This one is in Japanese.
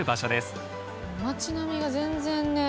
街並みが全然ね